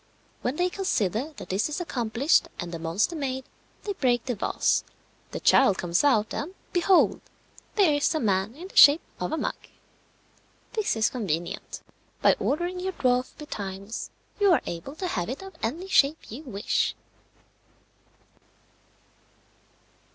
When they consider that this is accomplished, and the monster made, they break the vase. The child comes out and, behold, there is a man in the shape of a mug! This is convenient: by ordering your dwarf betimes you are able to have it of any shape you wish.